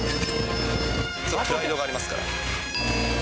プライドがありますから。